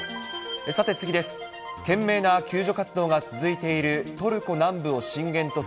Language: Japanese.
さて、次です。